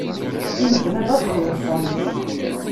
Imednab ad xellṣen.